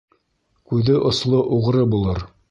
Күҙе осло уғры булыр.